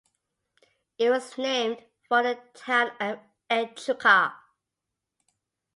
It was named for the town of Echuca.